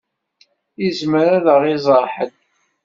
Izmer ad ɣ-d-iẓeṛ ḥedd.